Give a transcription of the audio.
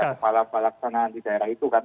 kepala balak sana di daerah itu kan